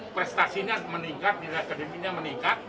prestasinya meningkat nilai akademiknya meningkat